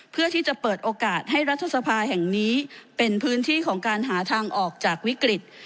เพื่อที่จะเปิดโอกาสให้รัฐสภาแห่งนี้เป็นพื้นที่ของการหาทางออกจากวิกฤต